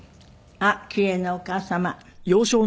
あっ奇麗なお母様。